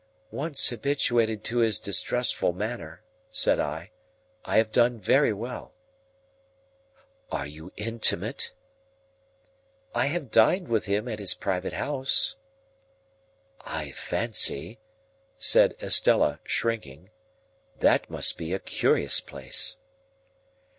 "Once habituated to his distrustful manner," said I, "I have done very well." "Are you intimate?" "I have dined with him at his private house." "I fancy," said Estella, shrinking "that must be a curious place."